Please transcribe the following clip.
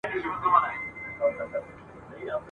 نالوستي خلک په اسانۍ سره غولول کيږي.